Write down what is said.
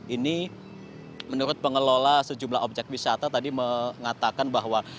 ini menurut pengelola sejumlah objek wisata tadi mengatakan bahwa